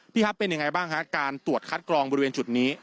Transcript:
ครับเป็นยังไงบ้างฮะการตรวจคัดกรองบริเวณจุดนี้